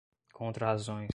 contrarrazões